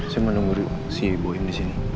saya mau nunggu si boim disini